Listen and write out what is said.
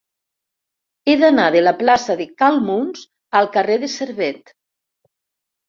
He d'anar de la plaça de Cal Muns al carrer de Servet.